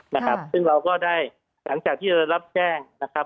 ซึ่งเราก็ได้หลังจากที่เราได้รับแจ้งนะครับ